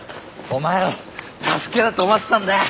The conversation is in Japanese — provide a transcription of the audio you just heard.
お前を助けようと思ってたんだよ。